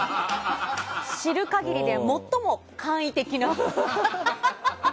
知る限りでは、最も簡易的な。